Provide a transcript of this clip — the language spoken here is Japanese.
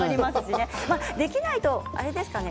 できないと、あれですかね。